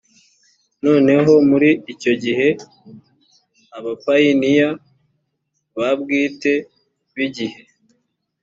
nanone muri icyo gihe abapayiniya ba bwite b igihe